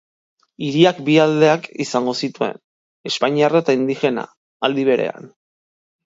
Hiriak bi aldeak izango zituen, espainiarra eta indigena, aldi berean.